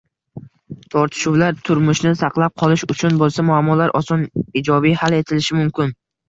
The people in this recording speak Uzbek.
Tortishuvlar turmushni saqlab qolish uchun bo‘lsa, muammolar oson, ijobiy hal etilishi mumkin.